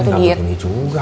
tapi kan aku punya juga